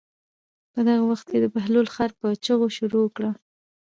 په دغه وخت کې د بهلول خر په چغو شروع وکړه.